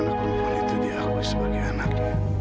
kenapa anak perempuan itu diakui sebagai anaknya